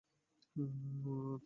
তিনি কাঁপা গলায় বললেন, ভয় লাগছে।